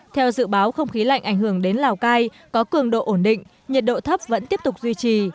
theo dự báo không khí lạnh ảnh hưởng đến lào cai có cường độ ổn định nhiệt độ thấp vẫn tiếp tục duy trì